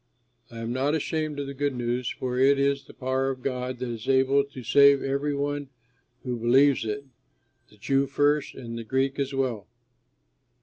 I am not ashamed of the good news, for it is the power of God that is able to save every one who believes it, the Jew first and the Greek as well.